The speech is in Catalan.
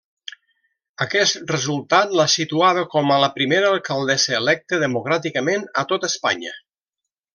Aquest resultat la situava com a la primera alcaldessa electa democràticament a tot Espanya.